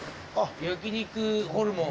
焼肉ホルモン。